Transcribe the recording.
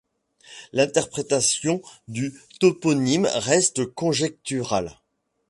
L’interprétation du toponyme reste conjecturale.